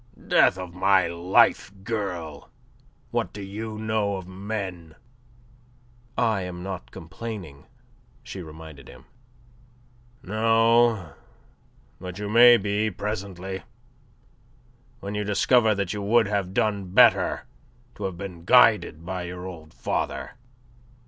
Death of my life, girl, what do you know of men?" "I am not complaining," she reminded him. "No, but you may be presently, when you discover that you would have done better to have been guided by your old father.